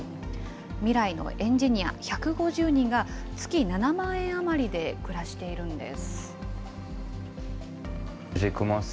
未来のエンジニア１５０人が、月７万円余りで暮らしているんです。